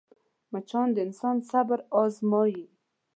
مچان د انسان صبر ازموي